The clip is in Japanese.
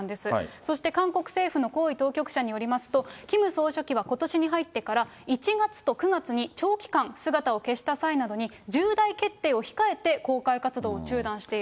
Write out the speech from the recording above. そして韓国政府の高位当局者によりますと、キム総書記はことしに入ってから、１月と９月に長期間、姿を消した際などに、重大決定を控えて公開活動を中断している。